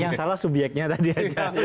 yang salah subyeknya tadi aja